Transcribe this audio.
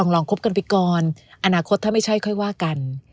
ลองคบกันไปก่อนอนาคตถ้าไม่ใช่ค่อยว่ากัน